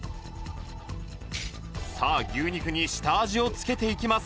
さあ牛肉に下味をつけていきます